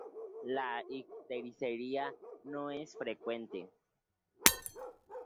La ictericia no es frecuente.